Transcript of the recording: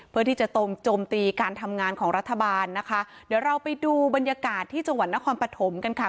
เพื่อที่จะตรงโจมตีการทำงานของรัฐบาลนะคะเดี๋ยวเราไปดูบรรยากาศที่จังหวัดนครปฐมกันค่ะ